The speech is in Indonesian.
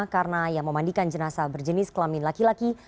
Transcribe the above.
karena yang memandikan jenazah berjenis kelamin laki laki